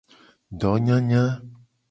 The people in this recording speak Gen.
Donyanya.